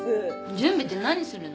準備って何するの？